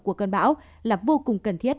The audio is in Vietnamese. của cơn bão là vô cùng cần thiết